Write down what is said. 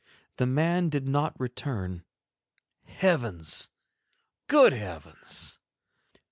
The man did not return. Heavens! good heavens!